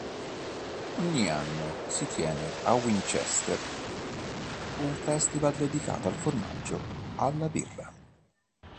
Ogni anno si tiene a Winchester un festival dedicato al formaggio alla birra.